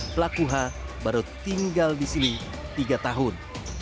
pelaku h baru tinggal di sini tiga tahun